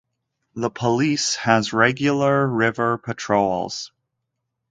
The police has regular river patrols.